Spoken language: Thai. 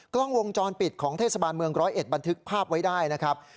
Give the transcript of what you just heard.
กล้องวงจรปิดของเทศบาลเมืองร้อยเอ็ดบันทึกภาพไว้ได้นะครับ